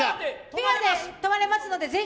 ペアで泊まれますのでぜひ。